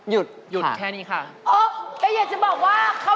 ยังไงคะ